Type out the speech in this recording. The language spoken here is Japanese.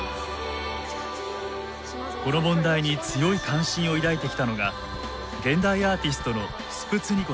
この問題に強い関心を抱いてきたのが現代アーティストのスプツニ子！